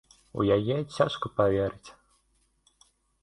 У яе цяжка паверыць.